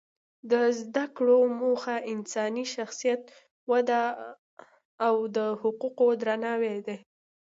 د زده کړو موخه انساني شخصیت وده او د حقوقو درناوی دی.